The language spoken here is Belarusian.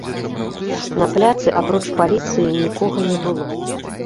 На пляцы, апроч паліцыі, нікога не было.